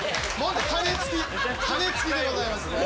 羽根付きでございますね。